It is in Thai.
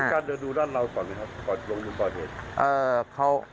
นั่นคือพฤษภารกาลดูด้านเราก่อนมั้ยครับลงด้านห้า